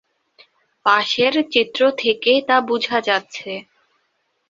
পাশের চিত্র থেকেই তা বোঝা যাচ্ছে।